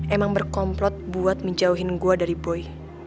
emang berkomplot buat menjauhin gue dari boy